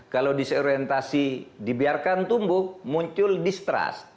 kalau disorientasi dibiarkan tumbuh muncul distrust